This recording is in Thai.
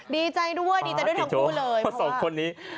ดีใจด้วยทั้งคู่เลย